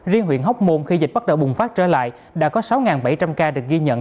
riêng huyện hóc môn khi dịch bắt đầu bùng phát trở lại đã có sáu bảy trăm linh ca được ghi nhận